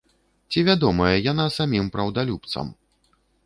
Ці вядомая яна самім праўдалюбцам?